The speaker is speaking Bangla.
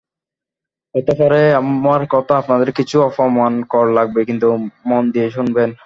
হতে পারে আমার কথা আপনাদের কিছু অপমানকর লাগবে কিন্তু মন দিয়ে শুনবেন।